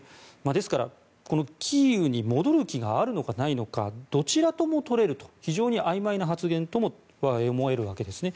ですから、キーウに戻る気があるのかないのかどちらともとれると非常にあいまいな発言とも思えるわけですね。